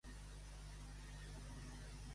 Desembre florit? Quan hi ha neu a la terra.